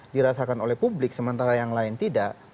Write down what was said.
dirasakan oleh publik sementara yang lain tidak